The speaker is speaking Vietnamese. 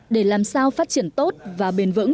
để làm sao phát triển tốt và bền vững